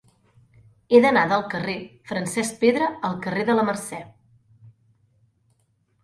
He d'anar del carrer de Francesc Pedra al carrer de la Mercè.